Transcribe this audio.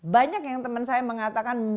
banyak yang teman saya mengatakan